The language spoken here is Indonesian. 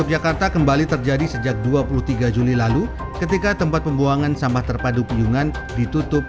yogyakarta kembali terjadi sejak dua puluh tiga juli lalu ketika tempat pembuangan sampah terpadu piyungan ditutup